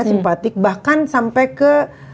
simpatik bahkan sampai ke